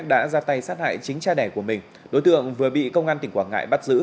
đã ra tay sát hại chính cha đẻ của mình đối tượng vừa bị công an tỉnh quảng ngãi bắt giữ